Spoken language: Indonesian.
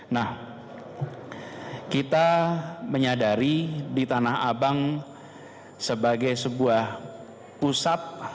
nah kita menyadari di tanah abang sebagai sebuah pusat